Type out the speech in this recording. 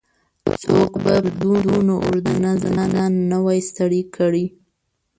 څوک به پر دونه اوږده نظم ځان نه وای ستړی کړی.